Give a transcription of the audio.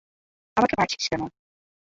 আমাকে মারছিস কেন?